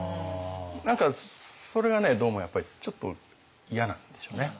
何かそれがねどうもやっぱりちょっと嫌なんでしょうね。